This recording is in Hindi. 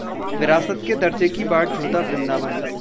विरासत के दर्जे की बाट जोहता वृंदावन